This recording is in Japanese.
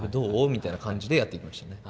みたいな感じでやっていましたね。